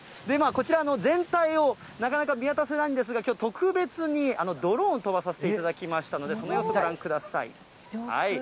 こちら、全体をなかなか見渡せないんですが、きょう、特別にドローン飛ばさせていただきましたので、その様子ご覧ください。